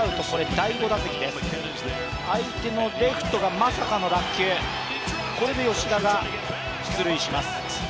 第５打席です、相手のレフトがまさかの落球、これで吉田が出塁します。